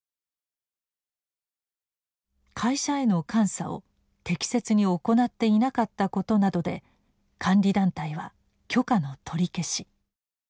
「会社への監査を適切に行っていなかったこと」などで監理団体は許可の取り消し。